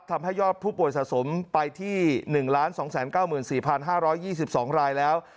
ทำให้ยอดผู้ป่วยสะสมไปที่๑๒๙๔๕๒๒รายแล้ว